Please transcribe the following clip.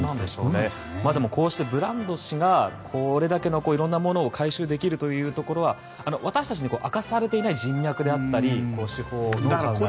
でもこうしてブランド氏がこれだけの色んなものを回収できるというところは私たちに明かされていない人脈であったり手法があるんですね。